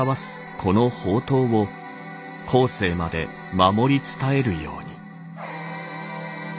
この法灯を後世まで守り伝えるように」。